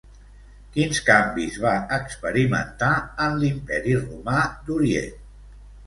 Quins canvis va experimentar en l'imperi romà d'Orient?